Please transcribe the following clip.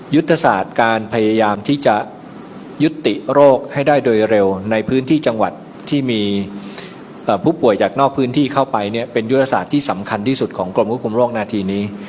ยุทธศาสตร์การพยายามที่จะยุติโรคให้ได้โดยเร็วในพื้นที่จังหวัดที่มีผู้ป่วยจากนอกพื้นที่เข้าไปเนี่ยเป็นยุทธศาสตร์ที่สำคัญที่สุดของกรมควบคุมโรคนาทีนี้